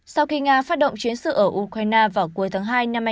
sau khi nga phát động chiến sự ở ukraine vào cuối tháng hai năm